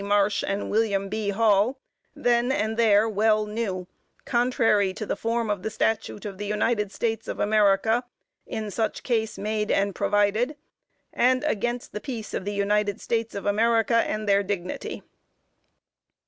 Marsh and William B. Hall then and there well knew, contrary to the form of the statute of the United States of America in such case made and provided, and against the peace of the United States of America and their dignity.